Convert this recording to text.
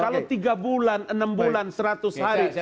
kalau tiga bulan enam bulan seratus hari